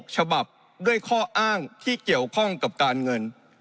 ฉบับด้วยข้ออ้างที่เกี่ยวข้องกับการเงิน